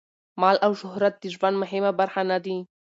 مال او شهرت د ژوند مهمه برخه نه دي.